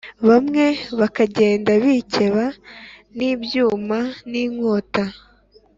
bamwe bakagenda bikeba n’ibyuma n’inkota